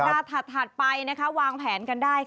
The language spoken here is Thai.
แต่ว่าสัปดาห์ถัดไปวางแผนกันได้